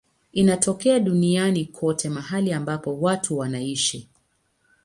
Inatokea duniani kote mahali ambapo watu wanaishi.